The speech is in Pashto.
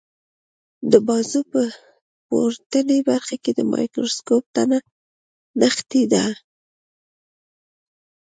د بازو په پورتنۍ برخه کې د مایکروسکوپ تنه نښتې ده.